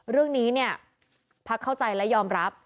เรื่องนี้ภักดิ์เข้าใจและยอมรับ